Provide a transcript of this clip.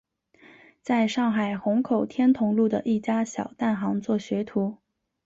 在上海虹口天潼路的一家小蛋行做学徒。